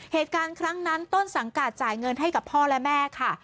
เหตุการณ์ครั้งนั้นต้นสังกัดจ่ายเงินให้กับพ่อและแม่ค่ะ